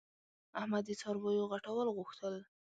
احمد د څارویو غټول غوښتل.